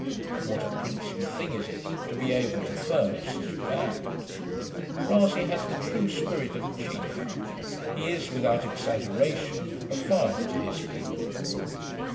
What a princely thing is it to be able to furnish such a band! Rasay has the true spirit of a chief. He is, without exaggeration, a father to his people.